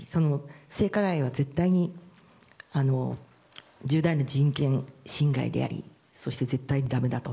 性加害は絶対に重大な人権侵害でありそして、絶対にだめだと。